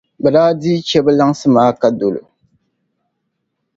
bɛ daa dii chɛ bɛ lansi maa ka dol’ o.